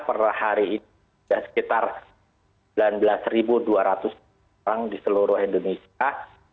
per hari ini sudah sekitar sembilan belas dua ratus orang di seluruh indonesia